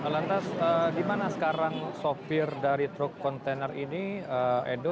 lantas gimana sekarang sopir dari truk kontainer ini edo